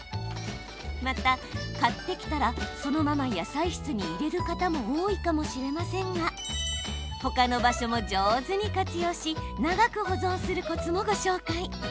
また、買ってきたらそのまま野菜室に入れる方も多いかもしれませんがほかの場所も上手に活用し長く保存するコツもご紹介。